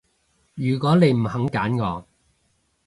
如果你唔肯揀我